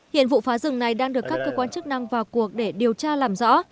hiện vụ phá rừng này đang được các cơ quan chức năng vào cuộc để điều tra làm rõ